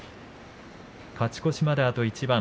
勝ち越しまであと一番。